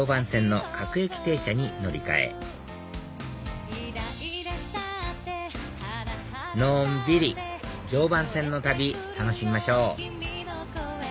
のんびり常磐線の旅楽しみましょう